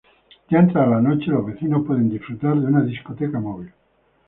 Ya entrada la noche, los vecinos pueden disfrutar de una discoteca móvil.